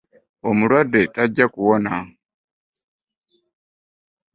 Omulwadde tajja kuwona.